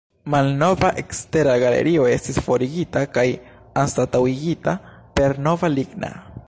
Malnova ekstera galerio estis forigita kaj anstataŭigita per nova ligna.